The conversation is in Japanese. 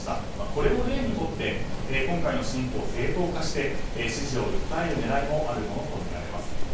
これを例にとって今回の侵攻を正当化して支持を訴える狙いもあるものとみられます。